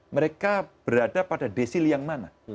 mereka berada pada desil yang mana